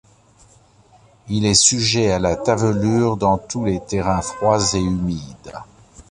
Il est sujet à la tavelure dans tous les terrains froids et humides.